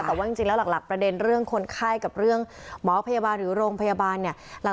แต่ว่าจริงแล้วหลักประเด็นเรื่องคนไข้กับเรื่องหมอพยาบาลหรือโรงพยาบาลเนี่ย